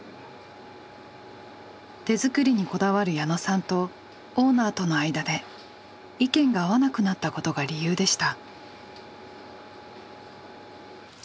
手作りにこだわる矢野さんとオーナーとの間で意見が合わなくなったことが理由でした。